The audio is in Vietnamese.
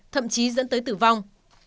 thậm chí dẫn tới tử vong